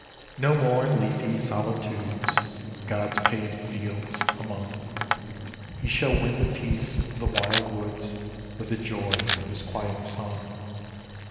No more in leafy solitudes, God's paved fields among, He shall win the peace of the wild woods With the joy of his quiet song.